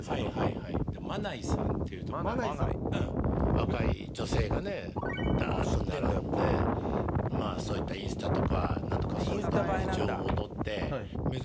若い女性がねダーッと並んでまあそういったインスタとかなんとかそういったもので情報を取って。